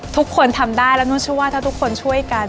ทุกคนทำได้แล้วนุ่นเชื่อว่าถ้าทุกคนช่วยกัน